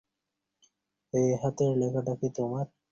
এই হাতের লেখাটা কি তোমার?